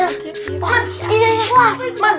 yang udah dicampurin